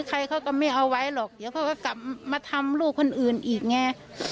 ใครเขาก็ไม่เอาไว้หรอกเดี๋ยวเขาก็กลับมาทำลูกคนอื่นอีกไง